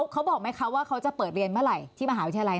เขาบอกไหมคะว่าเขาจะเปิดเรียนเมื่อไหร่ที่มหาวิทยาลัย